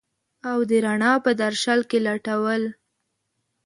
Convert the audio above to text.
او د رڼا په درشل کي لټول